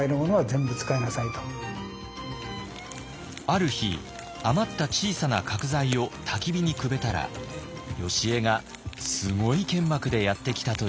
ある日余った小さな角材をたき火にくべたらよしえがすごい剣幕でやって来たといいます。